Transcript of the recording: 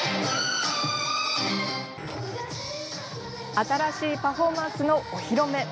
新しいパフォーマンスのお披露目。